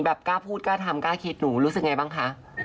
กล้าพูดกล้าทำกล้าคิดหนูรู้สึกไงบ้างคะ